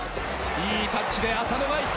いいタッチで浅野がいった。